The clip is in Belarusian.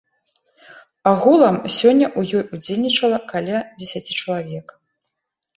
Агулам сёння ў ёй удзельнічала каля дзесяці чалавек.